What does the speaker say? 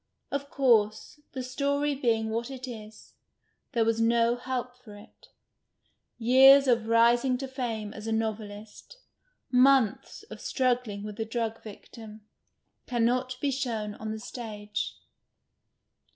Of course, the story being what it is, there was no help for it. Years of rising to fame as a novelist, months of struggling with a drug victim, cannot be shown on the stage.